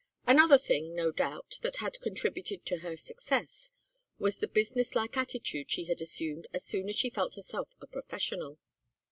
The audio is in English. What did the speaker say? Another thing, no doubt, that had contributed to her success, was the business like attitude she had assumed as soon as she felt herself a professional.